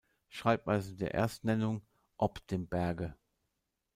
Schreibweise der Erstnennung: "op dem Berge".